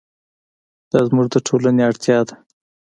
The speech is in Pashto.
دا زموږ د ټولنې اړتیا ده.